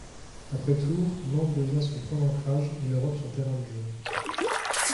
Après Tours, Nantes devient son point d'ancrage, et l'Europe son terrain de jeu.